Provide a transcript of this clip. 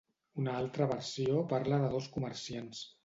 Una altra versió parla de dos comerciants.